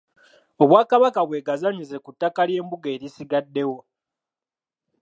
Obwakabaka bwegazaanyize ku ttaka ly’embuga erisigaddewo.